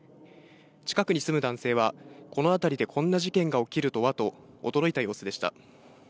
近くに住む男性は、この辺りでこんな事件が起きるとはと、驚いた様子でした。